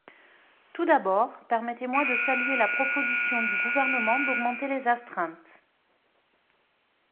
Tout d’abord, permettez-moi de saluer la proposition du Gouvernement d’augmenter les astreintes.